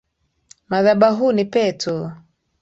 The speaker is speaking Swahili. Madhabahuni petu